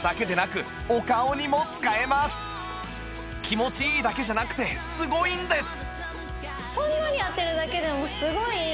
気持ちいいだけじゃなくてすごいんです！